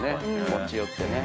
持ち寄ってね。